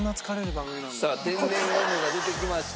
さあ天然ゴムが出てきました。